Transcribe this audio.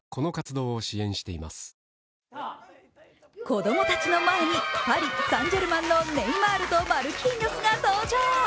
子供たちの前にパリ・サン＝ジェルマンのネイマールとマルキーニョスが登場。